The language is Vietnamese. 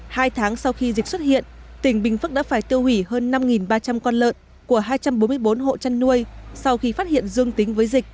hai tháng sau khi dịch xuất hiện tỉnh bình phước đã phải tiêu hủy hơn năm ba trăm linh con lợn của hai trăm bốn mươi bốn hộ chăn nuôi sau khi phát hiện dương tính với dịch